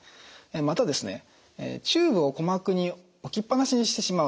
またチューブを鼓膜に置きっぱなしにしてしまうと。